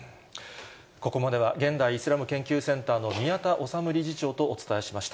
ここまでは現代イスラム研究センターの宮田律理事長とお伝えしました。